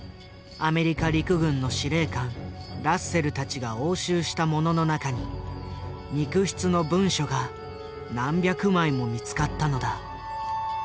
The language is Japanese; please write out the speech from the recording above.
アメリカ陸軍の司令官ラッセルたちが押収したものの中に肉筆の文書が何百枚も見つかったのだ。